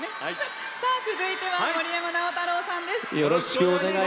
続いては森山直太朗さんです。